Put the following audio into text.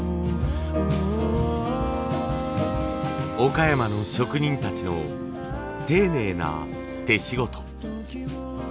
岡山の職人たちの丁寧な手仕事。